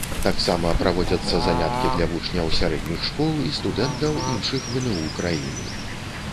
Таксама праводзяцца заняткі для вучняў сярэдніх школ і студэнтаў іншых вну краіны.